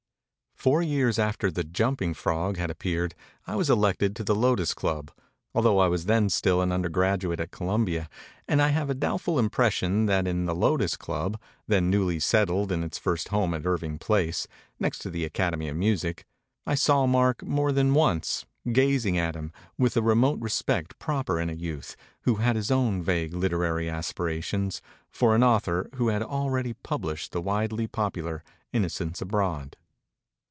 253 MEMORIES OF MARK TWAIN Four years after the 'Jumping Frog' had ap peared I was elected to the Lotos Club, altho I was then still an undergraduate at Columbia; and I have a doubtful impression that in the Lotos Club, then newly settled in its first home at Irving Place, next to the Academy of Music, I saw Mark more than once, gazing at him, with the remote respect proper in a youth, who had his own vague literary aspirations, for an author who had already published the widely popular ' Innocents Abroad.'